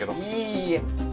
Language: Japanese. いいえ。